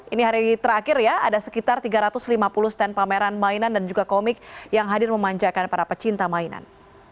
ini hari terakhir ya ada sekitar tiga ratus lima puluh stand pameran mainan dan juga komik yang hadir memanjakan para pecinta mainan